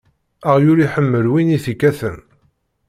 Aɣyul iḥemmel win i t-ikkaten.